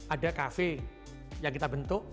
ada kafe yang kita bentuk